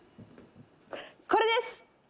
「これです！」